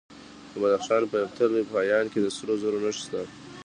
د بدخشان په یفتل پایان کې د سرو زرو نښې شته.